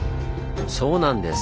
そうなんです！